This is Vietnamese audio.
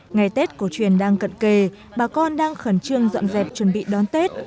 ngày tết cổ truyền đang cận kề bà con đang khẩn trương dọn dẹp chuẩn bị đón tết